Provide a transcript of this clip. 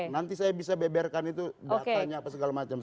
nanti saya bisa beberkan itu datanya apa segala macam